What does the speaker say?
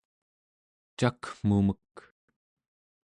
cakmumek